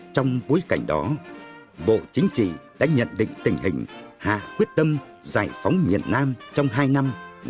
trong bối cảnh đó bộ chính trị đã nhận định tình hình hạ quyết tâm giải phóng miền nam trong hai năm